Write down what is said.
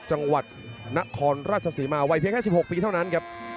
จังหวัดนครราชศรีมาวัยเพียงแค่๑๖ปีเท่านั้นครับ